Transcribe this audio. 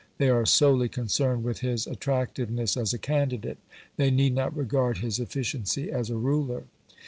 They are solely concerned with his attractiveness as a candidate; they need not regard his efficiency as a ruler.